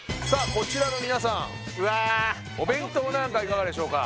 こちらあの皆さんお弁当なんかいかがでしょうか